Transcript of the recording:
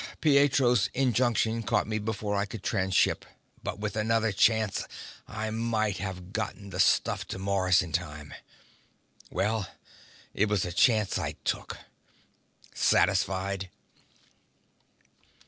Pietro's injunction caught me before I could transship, but with another chance, I might have gotten the stuff to Mars in time.... Well, it was a chance I took. Satisfied?"